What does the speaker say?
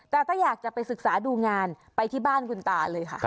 แต่ถ้าอยากจะไปศึกษาดูงานไปที่บ้านคุณตาเลยค่ะ